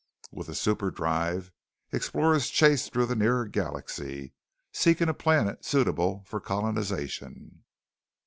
"With the superdrive, explorers chased through the nearer galaxy, seeking a planet suitable for colonization.